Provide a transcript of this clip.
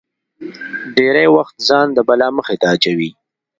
ډېری وخت ځان د بلا مخې ته اچوي.